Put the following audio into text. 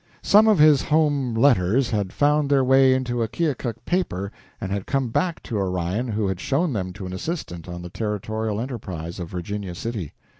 Some of his home letters had found their way into a Keokuk paper and had come back to Orion, who had shown them to an assistant on the "Territorial Enterprise," of Virginia City.